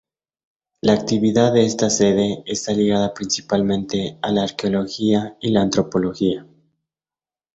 La actividad de esta sede está ligada principalmente a la arqueología y la antropología.